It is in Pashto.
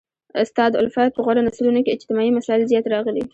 استاد الفت په غوره نثرونو کښي اجتماعي مسائل زیات راغلي.